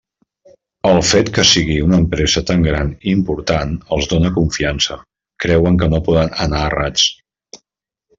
El fet que sigui una empresa tan gran i important els dóna confiança, creuen que no poden anar errats.